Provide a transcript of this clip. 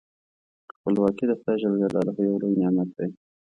خپلواکي د خدای جل جلاله یو لوی نعمت دی.